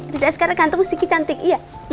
dede askara ganteng miss kiki cantik iya